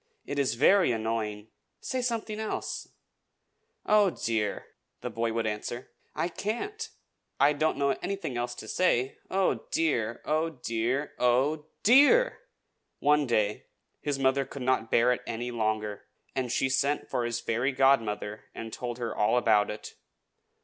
It is very annoying. Say something else." "Oh, dear!" the boy would answer, "I can't! I don't know anything else to say. Oh, dear! Oh, dear!! oh, DEAR!!!" One day his mother could not bear it any longer, and she sent for his fairy godmother, and told her all about it.